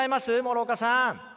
諸岡さん。